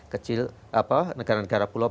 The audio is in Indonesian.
kecil apa negara negara pulau